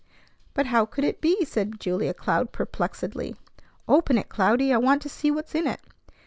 "But how could it be?" said Julia Cloud perplexedly. "Open it, Cloudy. I want to see what's in it."